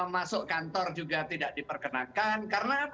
masuk kantor juga tidak diperkenankan